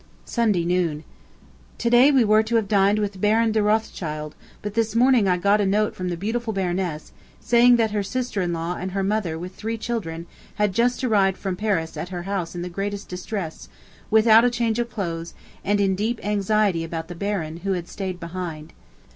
Sunday Noon. To day we were to have dined with Baron de Rothschild, but this morning I got a note from the beautiful baroness, saying that her sister in law and her mother with three children, had just arrived from Paris at her house in the greatest distress, without a change of clothes, and in deep anxiety about the Baron, who had stayed behind.